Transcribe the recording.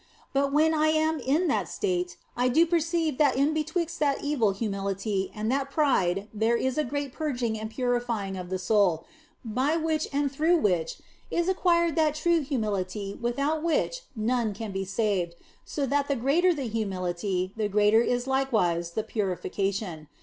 But when I am in that state I do perceive that in betwixt that evil humility and that pride there is a great purging and purifying of the soul, by which and through which is acquired that true humility without which none can be saved ; so that the greater the humility, the greater is likewise the purification.